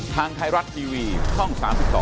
ทางไทยรัฐทีวีช่อง๓๒